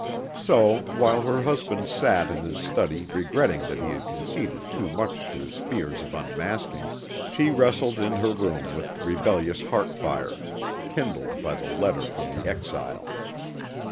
So, while her husband sat in his study regretting that he had conceded too much to his fears of unmasking, she wrestled in her room with rebellious heart fires, kindled by the letter from the exile.